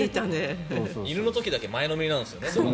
犬の時だけ前のめりなんですよね。